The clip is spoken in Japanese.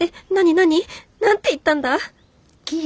何て言ったんだ！？